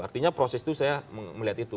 artinya proses itu saya melihat itu